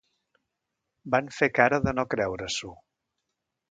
Van fer cara de no creure-s'ho.